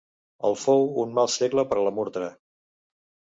El fou un mal segle per a la Murta.